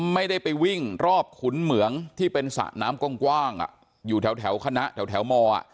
ไม่ได้ไปวิ่งรอบขุนเหมืองที่เป็นสระน้ำกว้างอยู่แถวคณะแถวม